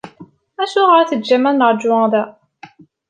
Acuɣer i aɣ-teǧǧamt ad neṛju da?